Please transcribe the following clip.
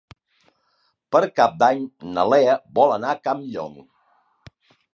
Per Cap d'Any na Lea vol anar a Campllong.